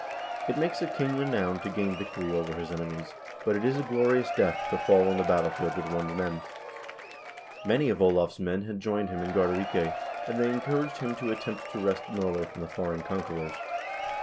"It make I king renowned to gain victory over his enemies, but it is a glorious death to fall on the battlefield with one's men." Many of Olav's men had joined him in Gardarike, and they encouraged him to attempt to wrest Norway from the foreign conquerors.